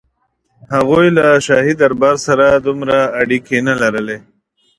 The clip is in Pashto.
هغوی له شاهي دربار سره دومره اړیکې نه لرلې.